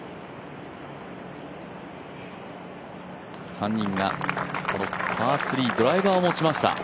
３人がこのパー３、ドライバーを持ちました。